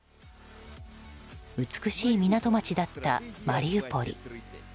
美しい港町だったマリウポリ。